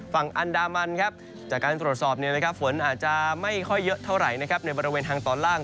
ฝั่งอันดามันครับจากการตรวจสอบฝนอาจจะไม่ค่อยเยอะเท่าไหร่นะครับในบริเวณทางตอนล่าง